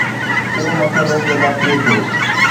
ٽيون مسئلو پيدا ٿئي ٿو